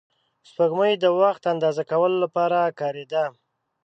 سپوږمۍ د وخت اندازه کولو لپاره کارېده